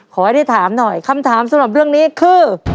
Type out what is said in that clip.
ความถามสำหรับเรื่องนี้คือ